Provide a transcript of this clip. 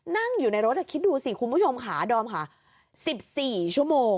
นั่งอยู่ในรถคิดดูสิคุณผู้ชมค่ะดอมค่ะ๑๔ชั่วโมง